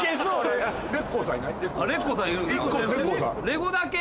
「レゴだけ！」